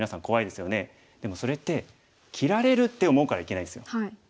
でもそれって「切られる！」って思うからいけないんですよ。